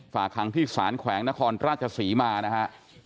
ฝากขังที่ศาลแขวงนครราชศรีมานะครับ